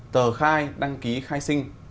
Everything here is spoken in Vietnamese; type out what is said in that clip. tờ khai đăng ký khai sinh